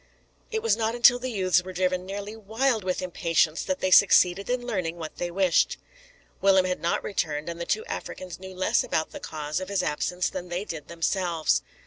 It was not until the youths were driven nearly wild with impatience that they succeeded in learning what they wished. Willem had not returned, and the two Africans knew less about the cause of his absence than they did themselves.